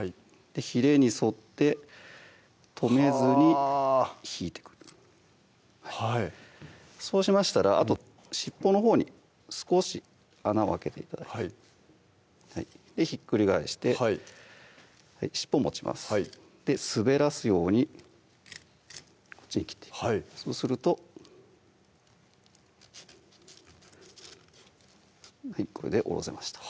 ひれに沿って止めずに引いてくるそうしましたらあと尻尾のほうに少し穴を開けて頂いてひっくり返して尻尾を持ちますで滑らすようにこっちへ切っていくそうするとはいこれでおろせました